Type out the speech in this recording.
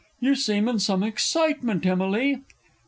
You seem in some excitement, Emily?